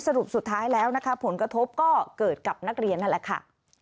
สรุปสุดท้ายแล้วนะคะผลกระทบก็เกิดกับนักเรียนนั่นแหละค่ะ